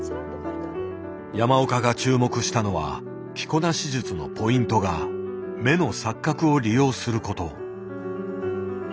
山岡が注目したのは着こなし術のポイントが「目の錯覚」を利用すること。